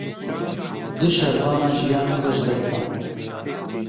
Du şervanan jiyana xwe ji dest dan.